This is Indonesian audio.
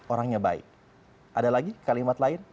orangnya baik ada lagi kalimat lain